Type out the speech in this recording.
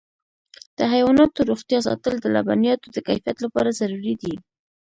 د حیواناتو روغتیا ساتل د لبنیاتو د کیفیت لپاره ضروري دي.